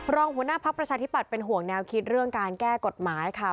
หัวหน้าพักประชาธิบัตย์เป็นห่วงแนวคิดเรื่องการแก้กฎหมายค่ะ